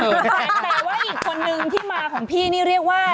แต่ว่าอีกคนนึงที่มาของพี่นี่เรียกว่า